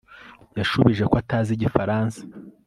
Yashubije ko atazi Igifaransa